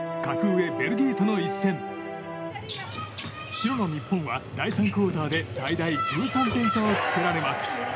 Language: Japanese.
白の日本は、第３クオーターで最大１３点差をつけられます。